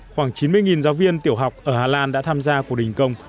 khoảng chín mươi giáo viên tiểu học ở hà lan đã tham gia cuộc đình công